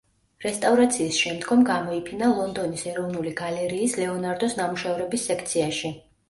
რესტავრაციის შემდგომ გამოიფინა ლონდონის ეროვნული გალერიის ლეონარდოს ნამუშევრების სექციაში.